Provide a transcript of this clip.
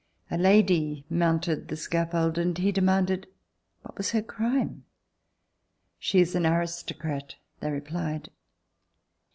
A lady mounted the scaffold and he demanded what was her crime. "She is an aristocrat," they replied.